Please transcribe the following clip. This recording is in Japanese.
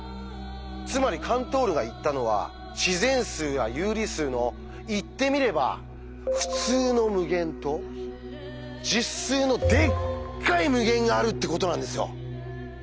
つまりカントールが言ったのは自然数や有理数の言ってみれば「ふつうの無限」と実数の「でっかい無限」があるってことなんですよ。